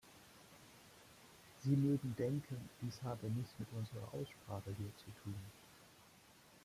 Sie mögen denken, dies habe nichts mit unserer Aussprache hier zu tun.